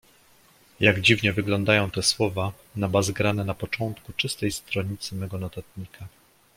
"Jak dziwnie wyglądają te słowa nabazgrane na początku czystej stronicy mego notatnika!"